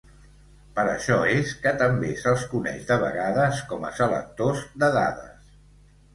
Per això és que també se'ls coneix de vegades com a selectors de dades.